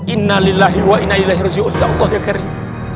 innalillahi wa innalillahi ruj'i unda'a allah ya karim